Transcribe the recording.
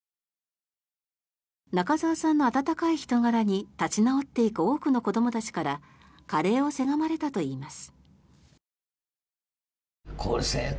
中澤さんの温かい人柄に立ち直っていく多くの子どもたちからカレーをせがまれたといいます。